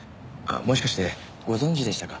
もしかしてご存じでしたか？